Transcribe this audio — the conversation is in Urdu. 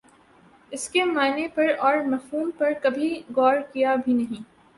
اسکے معانی پر اور مفہوم پر کبھی غورکیا بھی نہیں